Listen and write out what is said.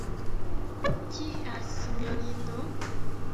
Kial, sinjorino?